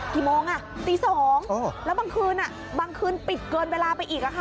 กี่โมงอ่ะตี๒แล้วบางคืนบางคืนปิดเกินเวลาไปอีกอะค่ะ